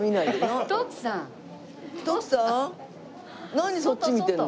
何そっち見てるの？